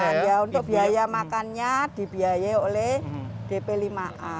ya untuk biaya makannya dibiayai oleh dp lima a